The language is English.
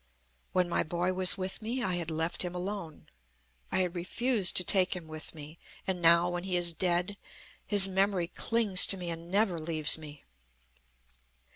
When my boy was with me, I had left him alone. I had refused to take him with me. And now, when he is dead, his memory clings to me and never leaves me.